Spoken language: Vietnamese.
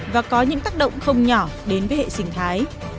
và có những tác động không nhỏ đến với hệ sinh thái